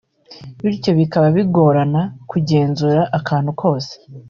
bityo bikaba bigorana kugenzura akantu kose